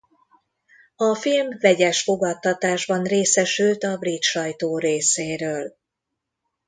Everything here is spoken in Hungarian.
A film vegyes fogadtatásban részesült a brit sajtó részéről.